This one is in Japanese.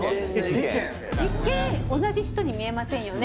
「一見同じ人に見えませんよね」